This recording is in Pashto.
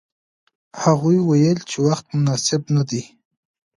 هغوی ویل چې وخت مناسب نه دی.